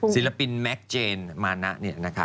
ศิลปินแมคเจนมานะ